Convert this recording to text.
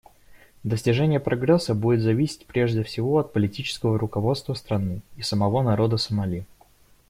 Достижение прогресса будет зависеть, прежде всего, от политического руководства страны и самого народа Сомали.